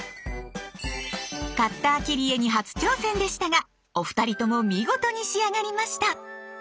カッター切り絵に初挑戦でしたがお二人とも見事に仕上がりました。